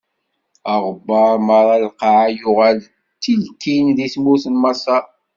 Aɣebbar meṛṛa n lqaɛa yuɣal d tilkin di tmurt n Maṣer.